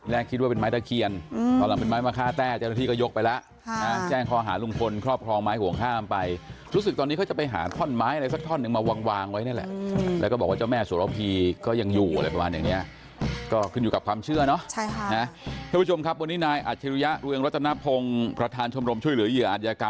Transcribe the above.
แรกคิดว่าเป็นไม้เตอร์เคียนตอนหลังเป็นไม้มาฆ่าแต่